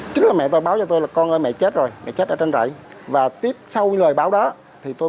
chính là mẹ tôi báo cho tôi là con em mẹ chết rồi mẹ chết ở trên rẫy và tiếp sau lời báo đó thì tôi